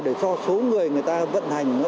để cho số người người ta vận hành